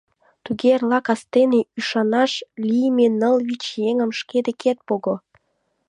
— Тугеже эрла кастене ӱшанаш лийме ныл-вич еҥым шке декет пого.